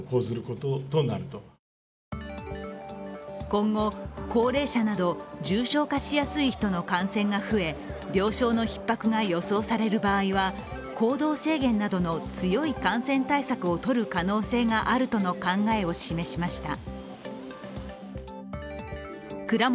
今後、高齢者など重症化しやすい人の感染が増え、病床のひっ迫が予想される場合は行動制限などの強い感染対策をとる可能性があるとの考えを示しました。